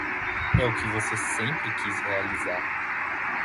É o que você sempre quis realizar.